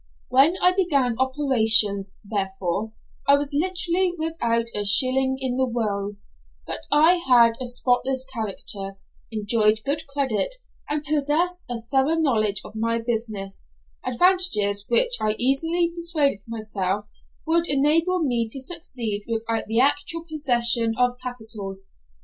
When I began operations, therefore, I was literally without a shilling in the world, but I had a spotless character, enjoyed good credit, and possessed a thorough knowledge of my business; advantages which I easily persuaded myself would enable me to succeed without the actual possession of capital.